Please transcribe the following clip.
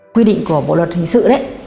quy định của bộ luật hình sự đấy